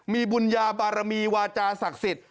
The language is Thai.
มีบุญญาบารมีวาจาศักดิ์สิทธิ